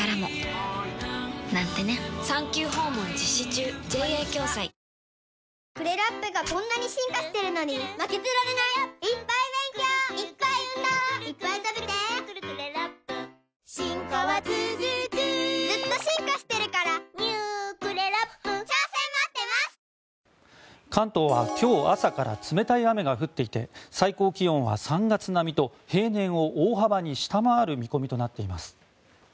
中南米のように関東は今日朝から冷たい雨が降っていて最高気温は３月並みと平年を大幅に下回る見込みとなっています。